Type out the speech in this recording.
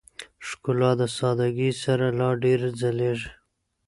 ښکلا د سادهګۍ سره لا ډېره ځلېږي.